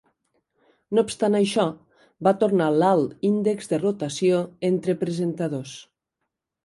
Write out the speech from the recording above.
No obstant això, va tornar l'alt índex de rotació entre presentadors.